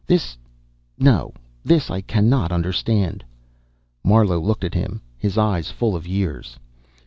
This ... no, this I cannot understand." Marlowe looked at him, his eyes full of years.